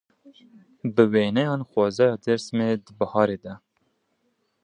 Bi wêneyan xwezaya Dêrsimê di biharê de.